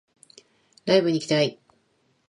ライブ行きたい